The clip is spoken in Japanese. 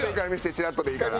チラッとでいいから。